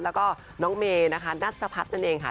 แล้วก็น้องเมนะคะนะจพัดนั่นเองค่ะ